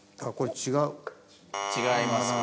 違いますか。